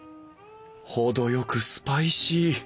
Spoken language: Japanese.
程よくスパイシー。